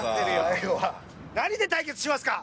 何で対決しますか？